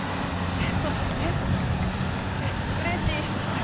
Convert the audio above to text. えっうれしい！